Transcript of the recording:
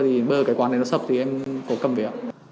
bây giờ cái quán này nó sập thì em có cầm về